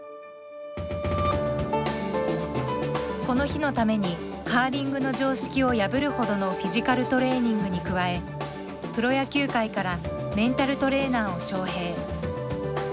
この日のためにカーリングの常識を破るほどのフィジカルトレーニングに加えプロ野球界からメンタルトレーナーを招聘。